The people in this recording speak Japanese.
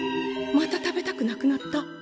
また食べたくなくなった。